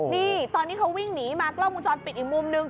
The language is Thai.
นี่ตอนที่เขาวิ่งหนีมากล้องวงจรปิดอีกมุมนึง